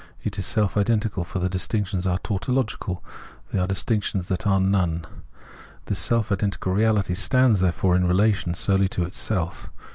It is self identical, for the distinctions are tautological ; they are distinc tions that are none. This self identical reahty stands, therefore, in relation solely to itself.